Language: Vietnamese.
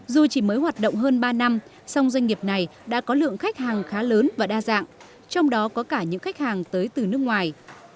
dù chỉ mới hoạt động hơn ba năm song doanh nghiệp này đã có lượng khách hàng khá lớn và đa dạng trong đó có cả những khách hàng tới từ nước ngoài